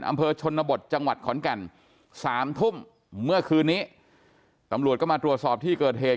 อำเภอชนบทจังหวัดขอนแก่นสามทุ่มเมื่อคืนนี้ตำรวจก็มาตรวจสอบที่เกิดเหตุ